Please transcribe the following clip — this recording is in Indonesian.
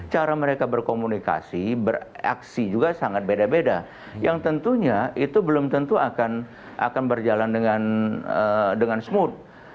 cara mereka berkomunikasi beraksi juga sangat beda beda yang tentunya itu belum tentu akan berjalan dengan smooth